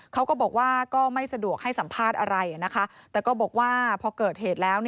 เขาก็บอกว่าก็ไม่สะดวกให้สัมภาษณ์อะไรนะคะแต่ก็บอกว่าพอเกิดเหตุแล้ว